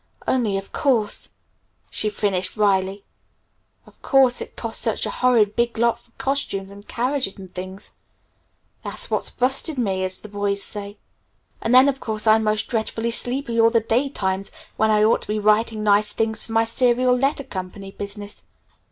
"Only, of course," she finished wryly; "only, of course, it costs such a horrid big lot for costumes and carriages and things. That's what's 'busted' me, as the boys say. And then, of course, I'm most dreadfully sleepy all the day times when I ought to be writing nice things for my Serial Letter Co. business.